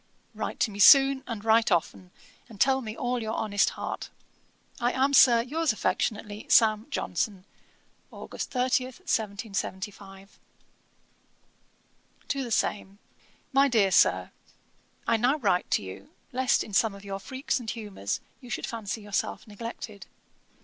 'Write to me soon, and write often, and tell me all your honest heart. 'I am Sir, 'Yours affectionately, 'SAM. JOHNSON.' 'Aug. 30, 1775.' TO THE SAME. 'MY DEAR SIR, 'I now write to you, lest in some of your freaks and humours you should fancy yourself neglected.